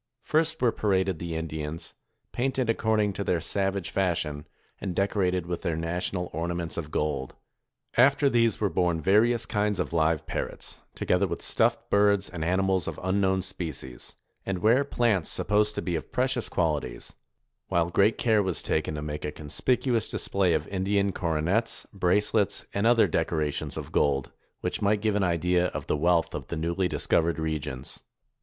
First, were paraded the Indians, painted according to their savage fashion, and decorated with their national ornaments of gold. After these were borne various kinds of live par rots, together with stuffed birds and animals of unknown species, and rare plants supposed to be of precious quali ties; while great care was taken to make a conspicuous display of Indian coronets, bracelets, and other deco rations of gold, which might give an idea of the wealth of the newly discovered regions.